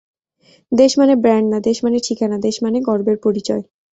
দেশ মানে ব্র্যান্ড না, দেশ মানে ঠিকানা, দেশ মানে গর্বের পরিচয়।